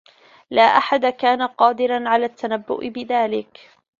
لا أحد كان قادرا على التّنبّؤ بذلك.